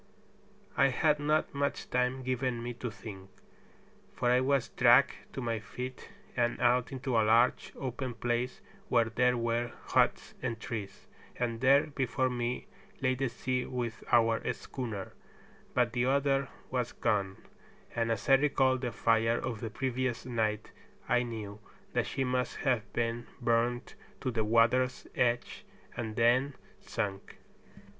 I had not much time given me to think, for I was dragged to my feet, and out into a large open place where there were huts and trees, and there before me lay the sea with our schooner, but the other was gone; and as I recalled the fire of the previous night I knew that she must have been burned to the water's edge and then sunk.